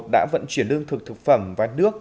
đã vận chuyển lương thực thực phẩm và nước